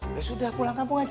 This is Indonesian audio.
dia sudah pulang kampung aja